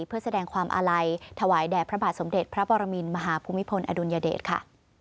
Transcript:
เพื่อแสดงความอาลัยถวายแด่พระบาทสมเด็จพระปรมินมหาภูมิพลอดุลยเดชค่ะ